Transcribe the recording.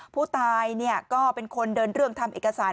ผู้ตายก็เป็นคนเดินเรื่องทำเอกสาร